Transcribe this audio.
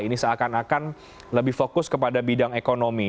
ini seakan akan lebih fokus kepada bidang ekonomi